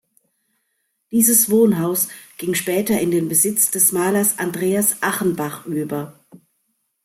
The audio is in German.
Dieses Wohnhaus ging später in den Besitz des Malers Andreas Achenbach über.